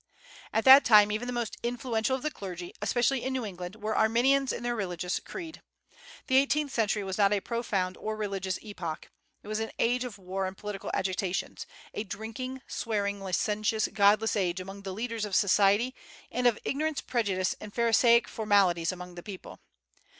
At that time even the most influential of the clergy, especially in New England, were Arminians in their religious creed. The eighteenth century was not a profound or religious epoch. It was an age of war and political agitations, a drinking, swearing, licentious, godless age among the leaders of society, and of ignorance, prejudice, and pharisaic formalities among the people.